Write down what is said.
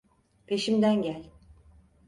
Peşimden gel.